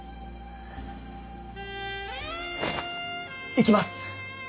行きます！